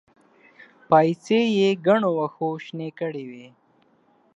پايڅې يې ګڼو وښو شنې کړې وې.